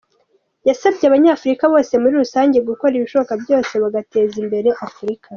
Yasabye abanyafurika bose muri rusange gukora ibishoboka byose bagateza imbere Afurika.